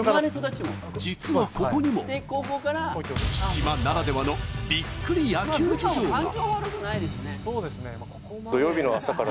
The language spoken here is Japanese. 実はここにも、島ならではのびっくり野球事情が。